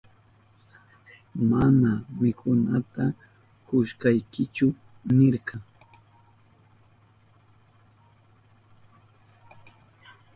Mana mikunata kushkaykichu nirka.